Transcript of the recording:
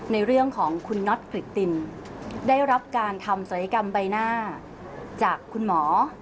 ในเรื่องของคุณน็อตกริตตินได้รับการทำศัลยกรรมใบหน้าจากคุณหมอ